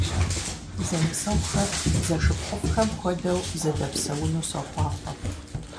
Зэнысэгъухэр зэшыпхъуфӀхэм хуэдэу зэдэпсэуну сохъуахъуэ!